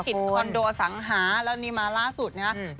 ธุรกิจคอนโดสังหาแล้วนี่มาล่าสุดนะอืม